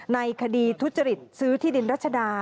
ในคดีทุจริตซื้อที่ดินรัชดา